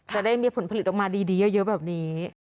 จะได้มีผลผลิตออกมาดีเยอะแบบนี้